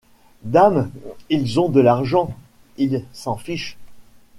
Dame! ils ont de l’argent, ils s’en fichent !